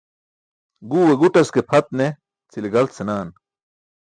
Guwe guṭas ke pʰat ne cʰile galt senaan.